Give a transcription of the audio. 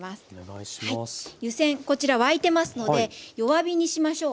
湯煎こちら沸いてますので弱火にしましょう。